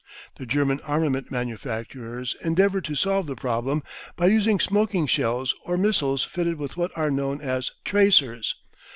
The German armament manufacturers endeavoured to solve the problem by using smoking shells or missiles fitted with what are known as tracers.